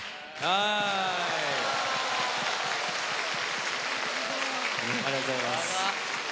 ありがとうございます。